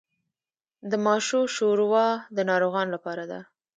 د ماشو شوروا د ناروغانو لپاره ده.